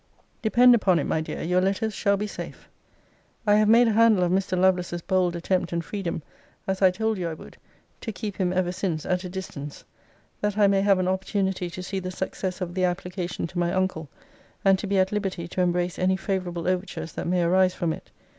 Depend upon it, my dear, your letters shall be safe. I have made a handle of Mr. Lovelace's bold attempt and freedom, as I told you I would, to keep him ever since at a distance, that I may have an opportunity to see the success of the application to my uncle, and to be at liberty to embrace any favourable overtures that may arise from it.